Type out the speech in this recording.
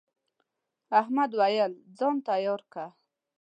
احمد وويل: ځان تیار که.